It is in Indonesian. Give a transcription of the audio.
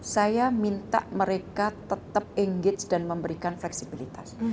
saya minta mereka tetap engage dan memberikan fleksibilitas